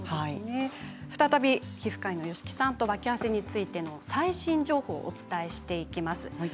再び皮膚科医の吉木さんと脇汗の最新情報をお伝えしていきます。